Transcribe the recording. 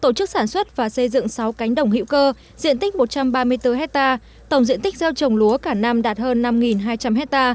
tổ chức sản xuất và xây dựng sáu cánh đồng hữu cơ diện tích một trăm ba mươi bốn hectare tổng diện tích gieo trồng lúa cả năm đạt hơn năm hai trăm linh ha